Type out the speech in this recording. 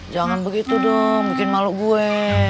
jangan begitu dong bikin malu gue